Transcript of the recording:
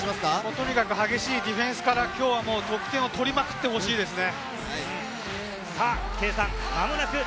とにかく激しいディフェンスから得点を取りまくってほしいですね。